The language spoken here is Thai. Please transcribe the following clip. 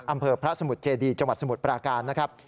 อำเภอพระสมุทรเจดีจังหวัดสมุทรปราการนะครับ